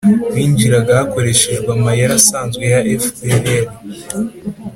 binjiraga hakoreshejwe amayeri asanzwe ya fpr.